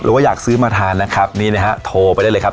ว่าอยากซื้อมาทานนะครับนี่นะฮะโทรไปได้เลยครับ